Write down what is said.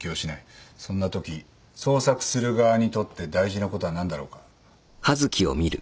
そんなとき捜索する側にとって大事なことは何だろうか。